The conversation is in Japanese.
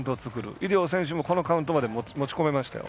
井領選手もこのカウントまで持ち込みましたよ。